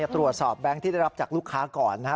ตรวจสอบแบงค์ที่ได้รับจากลูกค้าก่อนนะครับ